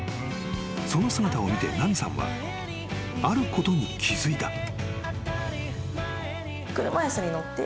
［その姿を見て奈美さんはあることに気付いた］